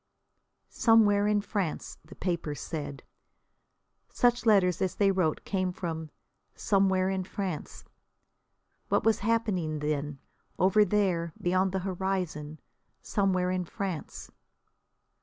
"Somewhere in France," the papers said. Such letters as they wrote came from "somewhere in France." What was happening then, over there, beyond the horizon, "somewhere in France"?